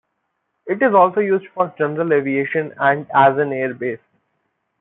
It is also used for general aviation and as an airbase.